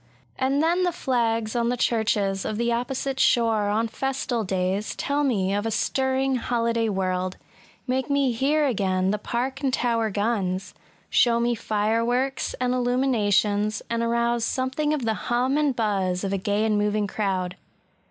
And then the flags on the churches of the opposite shore on festal days tell me of a stirring holiday world,— make me hear again the Park and Towier guns, — show me fireworks and illumi nations, and arouse something of the hum and buzz of a gay and moving crowd.